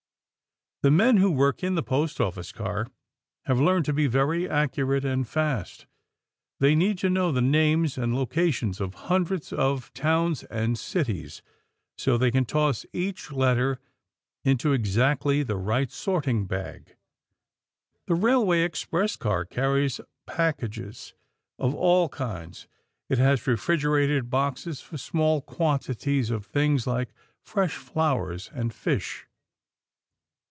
The men who work in the Post Office car have learned to be very accurate and fast. They need to know the names and locations of hundreds of towns and cities, so they can toss each letter into exactly the right sorting bag. The Railway Express car carries packages of all kinds. It has refrigerated boxes for small quantities of things like fresh flowers and fish.